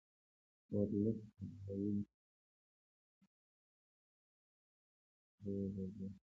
ورلسټ د ابدالي د حملې مخنیوي لپاره سلا مشورو لګیا وو.